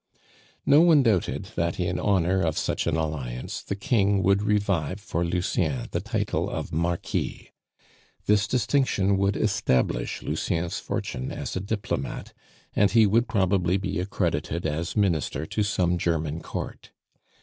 No one doubted that in honor of such an alliance the King would revive for Lucien the title of Marquis. This distinction would establish Lucien's fortune as a diplomate, and he would probably be accredited as Minister to some German Court.